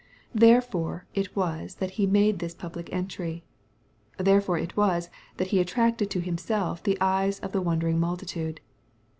Therefore it was that He made this public entry. Therefore it was that He attracted to himself the eyes of the wondering multitude.